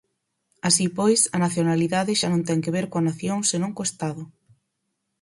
Así pois, a nacionalidade xa non ten que ver coa nación senón co Estado.